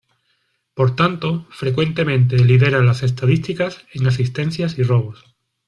Por tanto, frecuentemente lidera las estadísticas en asistencias y robos.